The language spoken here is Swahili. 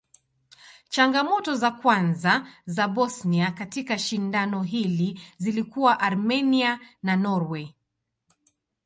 Changamoto za kwanza za Bosnia katika shindano hili zilikuwa Armenia na Norway.